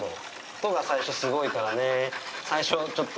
音が最初すごいからね。